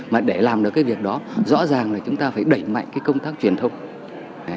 mà để làm được cái việc đó rõ ràng là chúng ta phải đẩy mạnh cái công tác truyền thông